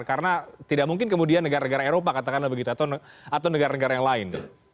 karena tidak mungkin kemudian negara negara eropa katakanlah begitu atau negara negara yang lain